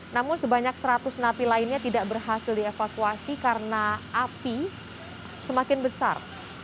namun sebanyak seratus napi lainnya tidak berhasil dievakuasi karena api semakin besar